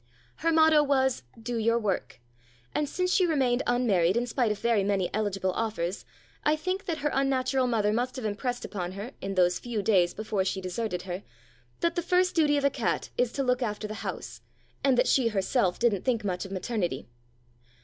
Her motto was, "Do your work," and since she remained unmarried in spite of many very eligible offers, I think that her unnatural mother must have impressed upon her, in those few days 238 "Puss cat" before she deserted her, that the first duty of a cat is to look after the house, and that she herself didn't think much of maternity.